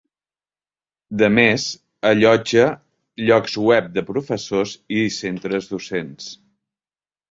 De més, allotja llocs web de professors i centres docents.